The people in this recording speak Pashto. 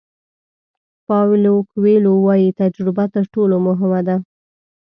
پاویلو کویلو وایي تجربه تر ټولو مهمه ده.